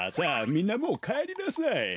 みんなもうかえりなさい。